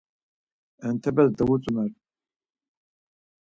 Entepes dovutzumer.